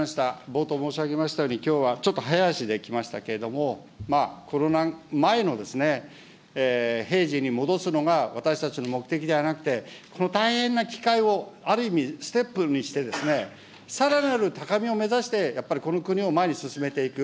冒頭申し上げましたように、きょうはちょっと早足できましたけれども、まあコロナ前の平時に戻すのが、私たちの目的ではなくて、この大変な機会を、ある意味、ステップにしてですね、さらなる高みを目指して、やっぱりこの国を前に進めていく。